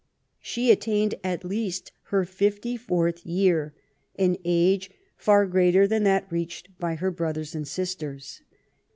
She attained at least her fifty fourth year, an age far greater than that reached by her brothers and sisters.